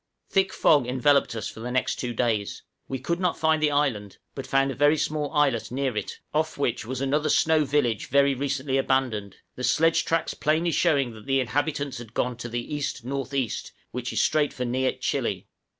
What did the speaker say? Thick fog enveloped us for the next two days; we could not find the island, but found a very small islet near it, off which was another snow village very recently abandoned, the sledge tracks plainly showing that the inhabitants had gone to the E.N.E., which is straight for Nĕitchīllĕe.